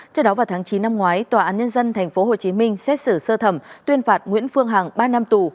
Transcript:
trước đó vào tháng chín năm ngoái tòa án nhân dân tp hcm xét xử sơ thẩm tuyên phạt nguyễn phương hằng ba năm tù